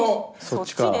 そっちかあ。